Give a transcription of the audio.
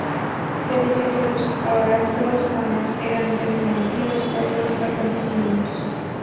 Se dice que sus oráculos jamás eran desmentidos por los acontecimientos.